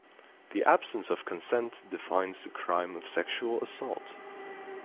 The absence of consent defines the crime of sexual assault.